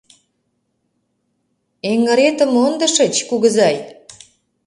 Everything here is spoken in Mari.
— Эҥыретым мондышыч, кугызай!